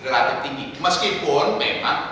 relatif tinggi meskipun memang